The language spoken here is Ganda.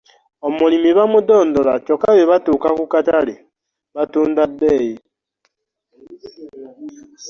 Omulimi bakidondola kyokka bwe batuuka ku katale batunda bbeeyi.